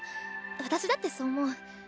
私だってそう思う。